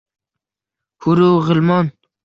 Huru g’ilmon